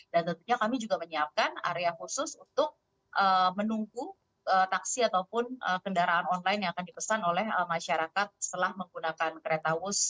dan tentunya kami juga menyiapkan area khusus untuk menunggu taksi ataupun kendaraan online yang akan dipesan oleh masyarakat setelah menggunakan kereta wus